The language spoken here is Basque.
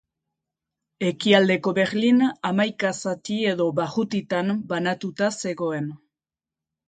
Ekialdeko Berlin hamaika zati edo barrutitan banatuta zegoen.